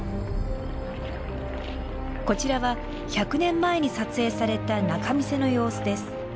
こちらは１００年前に撮影された仲見世の様子です。